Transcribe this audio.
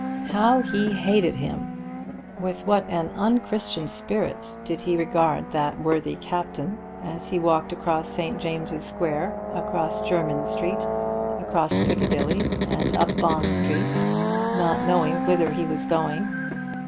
How he hated him! With what an unchristian spirit did he regard that worthy captain as he walked across St. James's Square, across Jermyn Street, across Piccadilly, and up Bond Street, not knowing whither he was going.